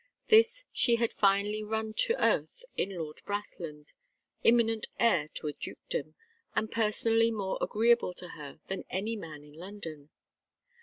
This she had finally run to earth in Lord Brathland, imminent heir to a dukedom, and personally more agreeable to her than any man in London.